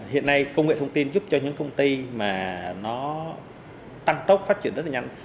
hiện nay công nghệ thông tin giúp cho những công ty mà nó tăng tốc phát triển rất là nhanh